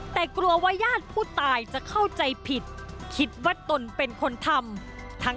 แต่กลัวว่าญาติผู้ตายจะเข้าใจผิดคิดว่าตนเป็นคนทำ